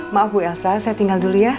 maaf bu elsa saya tinggal dulu ya